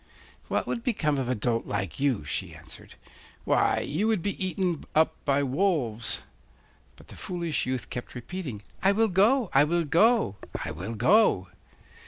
'What would become of a dolt like you?' she answered. 'Why, you would be eaten up by wolves.' But the foolish youth kept repeating, 'I will go, I will go, I will go!